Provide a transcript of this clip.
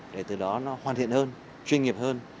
để từ đó nó hoàn thiện hơn chuyên nghiệp hơn